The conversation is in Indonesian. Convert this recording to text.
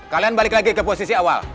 kalian balik lagi ke posisi awal